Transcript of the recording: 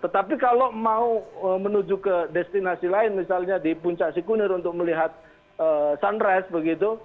tetapi kalau mau menuju ke destinasi lain misalnya di puncak sikunir untuk melihat sunrise begitu